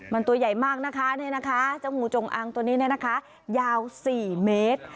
มันตัวใหญ่มากนะคะนี่นะคะเจ้างูจงอังตัวนี้เนี่ยนะคะยาว๔เมตร